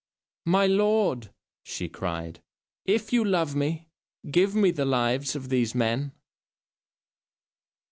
"My lord," she cried, "if you love me, give me the lives of these men."